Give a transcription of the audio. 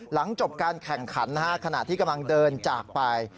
หลังจบการแข่งขันขณะที่กำลังเดินจากไป